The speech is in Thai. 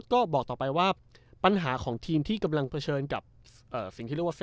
ก็บอกต่อไปว่าปัญหาของทีมที่กำลังเผชิญกับสิ่งที่เรียกว่า